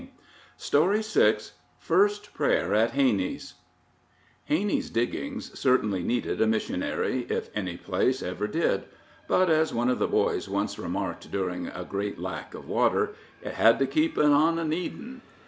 FIRST PRAYER AT HANNEY'S Hanney's Diggings certainly needed a missionary, if any place ever did; but, as one of the boys once remarked during a great lack of water, "It had to keep on a needin'."